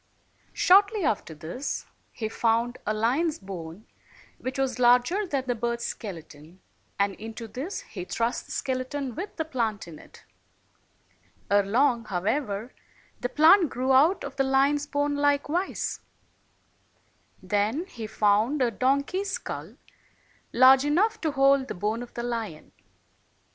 Shortly after this he found a lion's bone which was larger than the bird's skeleton, and into this he thrust the skeleton, with the plant in it. Ere long, however, the plant grew out of the lion's bone likewise. 268 Then he found a donkey's skull, large enough to hold the bone of the lion.